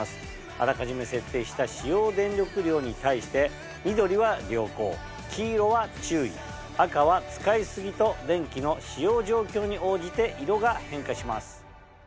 あらかじめ設定した使用電力量に対して緑は良好黄色は注意赤は使い過ぎと電気の使用状況に応じて色が変化します。